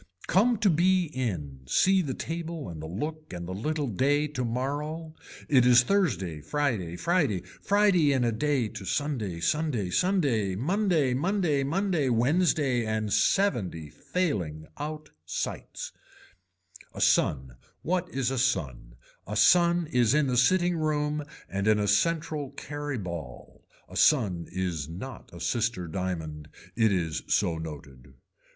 Come to be in, see the table and the look and the little day tomorrow, it is Thursday Friday, Friday, Friday in a day to Sunday, Sunday Sunday, Monday Monday Monday Wednesday and seventy failing out sights. A son what is a son, a son is in the sitting room and in a central carry ball. A son is not a sister diamond, it is so noted.